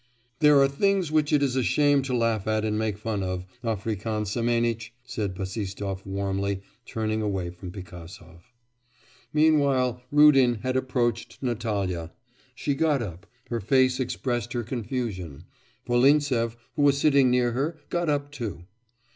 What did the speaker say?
'There are things which it is a shame to laugh at and make fun of, African Semenitch!' said Bassistoff warmly, turning away from Pigasov. Meanwhile Rudin had approached Natalya. She got up; her face expressed her confusion. Volintsev, who was sitting near her, got up too.